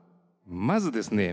まずですね